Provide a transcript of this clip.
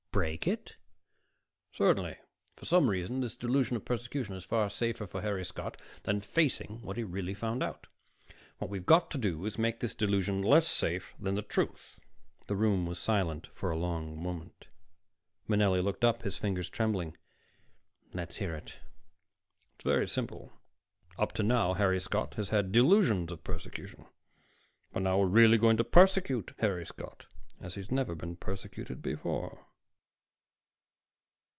"Break it?" "Certainly. For some reason, this delusion of persecution is far safer for Harry Scott than facing what he really found out. What we've got to do is to make this delusion less safe than the truth." The room was silent for a long moment. Manelli looked up, his fingers trembling. "Let's hear it." "It's very simple. Up to now, Harry Scott has had delusions of persecution. But now we're really going to persecute Harry Scott, as he's never been persecuted before."